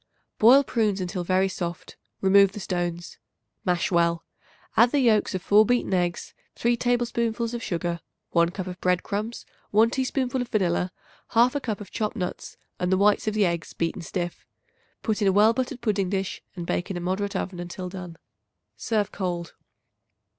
Boil prunes until very soft; remove the stones. Mash well; add the yolks of 4 beaten eggs, 3 tablespoonfuls of sugar, 1 cup of bread crumbs, 1 teaspoonful of vanilla, 1/2 cup of chopped nuts, and the whites of the eggs beaten stiff. Put in a well buttered pudding dish and bake in a moderate oven until done. Serve cold.